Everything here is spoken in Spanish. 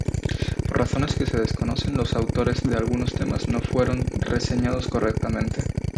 Por razones que se desconocen, los autores de algunos temas no fueron reseñados correctamente.